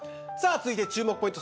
次いで、注目ポイント